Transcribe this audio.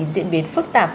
diễn biến phức tạp